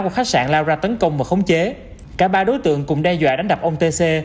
của khách sạn lao ra tấn công và khống chế cả ba đối tượng cùng đe dọa đánh đập ông t c